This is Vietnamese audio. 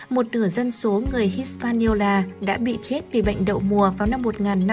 một nửa dân số người hispaniola đã bị chết vì bệnh đậu mùa vào năm một nghìn năm trăm một mươi tám